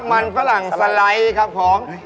มันฝรั่งสไลด์ครับผม